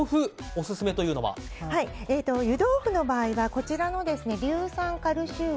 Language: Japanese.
湯豆腐の場合はこちらの硫酸カルシウム